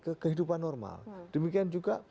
ke kehidupan normal demikian juga